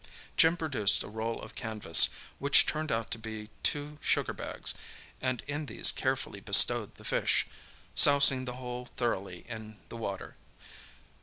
Jim produced a roll of canvas which turned out to be two sugar bags, and in these carefully bestowed the fish, sousing the whole thoroughly in the water.